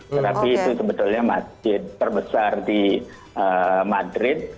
tetapi itu sebetulnya masjid terbesar di madrid